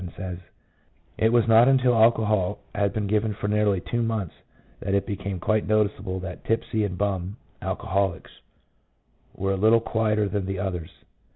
805 and 807, says: — "It was not until alcohol had been given for nearly two months that it became quite noticeable that Tipsy and Bum (alcoholics) were a little quieter than the others.